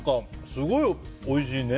すごい、おいしいね。